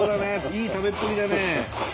いい食べっぷりだね。